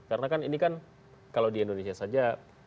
karena kan ini kan kalau di indonesia saja